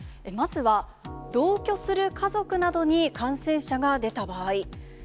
まずは、同居する家族などに感染者が出た場合。